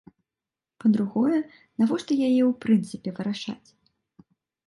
Па-другое, навошта яе ў прынцыпе вырашаць?